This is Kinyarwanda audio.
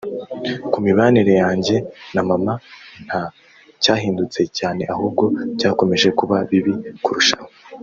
Ku mibanire yanjye na maman nta cyahindutse cyane ahubwo byakomeje kuba bibi kurushaho